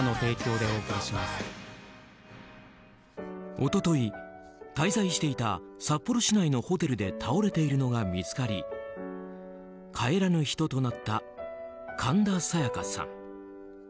一昨日、滞在していた札幌市内のホテルで倒れているのが見つかり帰らぬ人となった神田沙也加さん。